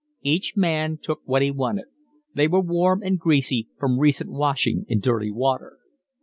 Each man took what he wanted; they were warm and greasy from recent washing in dirty water.